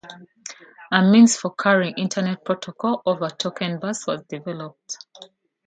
A means for carrying Internet Protocol over token bus was developed.